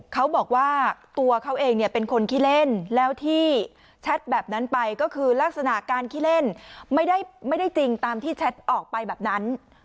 เขาบอกว่าตัวเขาเองเนี่ยเป็นคนขี้เล่นแล้วที่แชทแบบนั้นไปก็คือลักษณะการขี้เล่นไม่ได้จริงตามที่แชทออกไปแบบนั้น